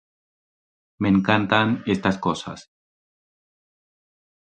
Me encantan estas cosas.